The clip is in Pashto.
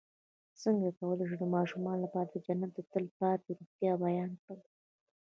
څنګه کولی شم د ماشومانو لپاره د جنت د تل پاتې روغتیا بیان کړم